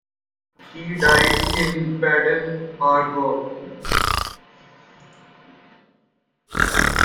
He died in Baden, Aargau.